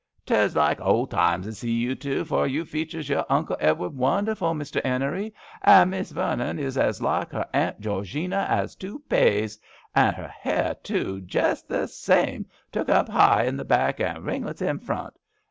" 'Tes like old times to zae you two, for you features your Uncle Edward wonderful, Mester 'Bnery, and Miss Vernon is as like her Aunt Georgina as two paise — and her hair, too, jest the same, tuk up high i' the back and ring lets in front.